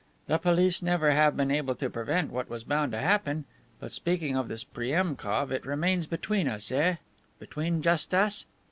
"The police never have been able to prevent what was bound to happen. But, speaking of this Priemkof, it remains between us, eh? Between just us?"